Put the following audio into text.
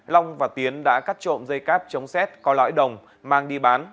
long và tiến đã cắt trộm dây cáp chống xét có lõi đồng mang đi bán